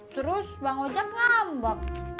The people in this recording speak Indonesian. terus bang ojak ngambek